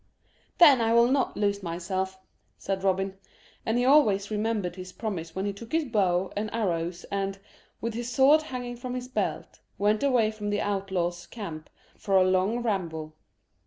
"Then I will not lose myself," said Robin. And he always remembered his promise when he took his bow and arrows and, with his sword hanging from his belt, went away from the outlaws' camp for a long ramble.